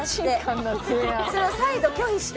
それを再度拒否して。